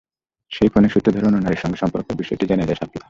সেই ফোনের সূত্র ধরে অন্য নারীর সঙ্গে সম্পর্কের বিষয়টি জেনে যায় শাপলা।